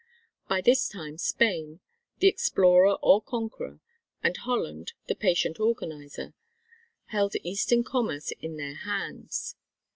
By this time Spain the explorer or conqueror and Holland the patient organiser held Eastern commerce in their hands.